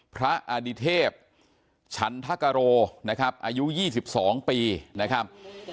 พระอดิเทพฉันทะกะโรอายุ๒๒ปีนะครับ